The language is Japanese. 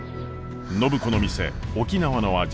暢子の店沖縄の味